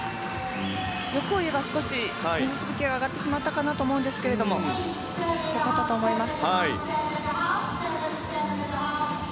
欲を言えば、少し水しぶきが上がったかと思いますが良かったと思います。